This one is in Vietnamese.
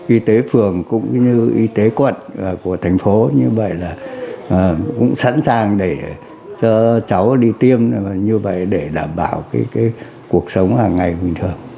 y tế phường cũng như y tế quận của thành phố như vậy là cũng sẵn sàng để cho cháu đi tiêm như vậy để đảm bảo cuộc sống hàng ngày bình thường